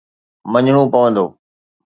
مڃڻو پوندو.